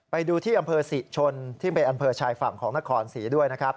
ไปดูที่อำเภอศรีชนที่เป็นอำเภอชายฝั่งของนครศรีด้วยนะครับ